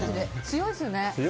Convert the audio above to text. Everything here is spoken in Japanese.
強いですよね。